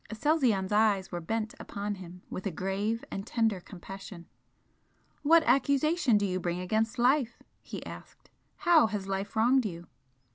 Aselzion's eyes were bent upon him with a grave and tender compassion. "What accusation do you bring against life?" he asked "How has life wronged you?"